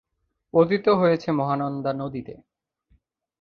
পতিত হয়েছে মহানন্দা নদীতে।